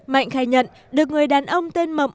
mạnh khai nhận được người đàn ông tên mậm